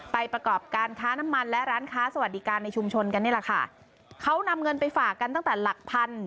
ประกอบการค้าน้ำมันและร้านค้าสวัสดิการในชุมชนกันนี่แหละค่ะเขานำเงินไปฝากกันตั้งแต่หลักพัน